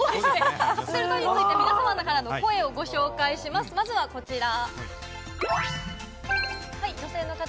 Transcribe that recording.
カプセルトイについて皆さまの声をご紹介します、まずはこちら。